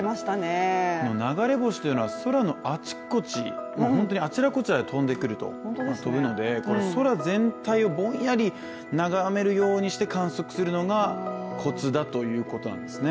流れ星というのは空のあちこち、本当にあちらこちらに飛ぶのでこれ、空全体をぼんやり眺めるようにして観測するのがコツだということなんですね。